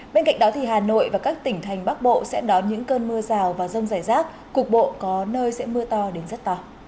bên cạnh đó hà nội và các tỉnh thành bắc bộ sẽ đón những cơn mưa rào và rông rải rác cục bộ có nơi sẽ mưa to đến rất to